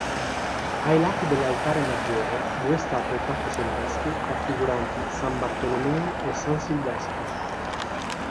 Ai lati dell'altare maggiore, due statue quattrocentesche raffiguranti San Bartolomeo e San Silvestro.